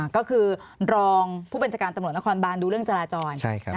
ก็คือรองผู้บัญชาการตำรวจนครบานดูเรื่องจราจร